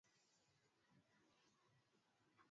Aliwakilisha Kanda ya Mashariki na Kusini mwa Afrika